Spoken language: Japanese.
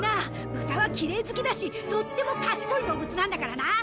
ブタはきれい好きだしとっても賢い動物なんだからな！